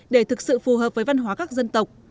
để thực sự phù hợp với văn hóa các dân tộc